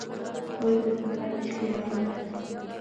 ګل د سبا د ښکلا وعده ده.